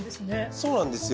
そうなんですよ。